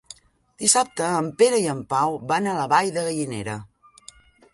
Dissabte en Pere i en Pau van a la Vall de Gallinera.